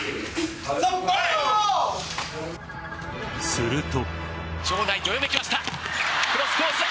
すると。